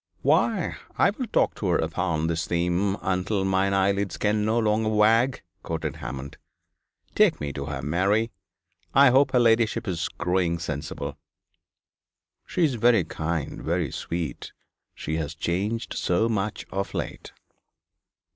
'"Why, I will talk to her upon this theme until mine eyelids can no longer wag,"' quoted Hammond. 'Take me to her, Mary. I hope her ladyship is growing sensible.' 'She is very kind, very sweet. She has changed so much of late.'